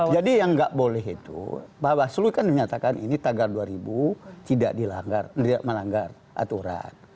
jadi yang gak boleh itu pak baslui kan menyatakan ini tagar dua ribu tidak melanggar aturan